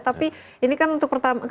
tapi ini kan untuk pertama